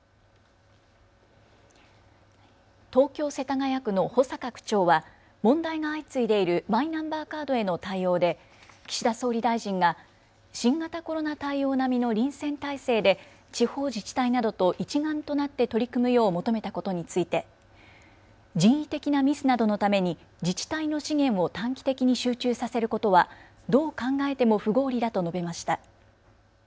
東京世田谷区の保坂区長は問題が相次いでいるマイナンバーカードへの対応で岸田総理大臣が新型コロナ対応並みの臨戦態勢で地方自治体などと一丸となって取り組むよう求めたことについて、人為的なミスなどのために自治体の資源を短期的に集中させることはどう考えても不合理だと述べました。